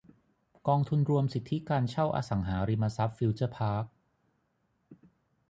กองทุนรวมสิทธิการเช่าอสังหาริมทรัพย์ฟิวเจอร์พาร์ค